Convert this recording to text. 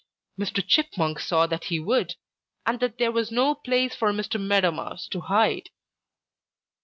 Mr. Chipmunk saw that he would, and that there was no place for Mr. Meadow Mouse to hide.